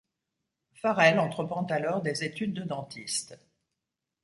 Farrell entreprend alors des études de dentiste.